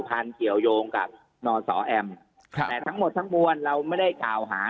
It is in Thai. พันธุ์เกี่ยวยงกับนสแอมแต่ทั้งหมดทั้งมวลเราไม่ได้ข่าวหา